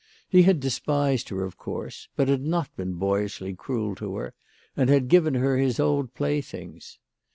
He had despised her, of course ; but had not been boyishly cruel to her, and had given her his old playthings.